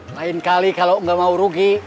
lain kali kalau nggak mau rugi